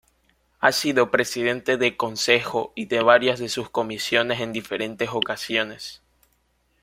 Ha sido presidente del Concejo y de varias de sus comisiones en diferentes ocasiones.